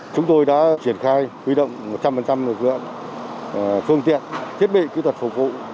chúng tôi đã triển khai quy động một trăm linh lực lượng phương tiện thiết bị kỹ thuật phục vụ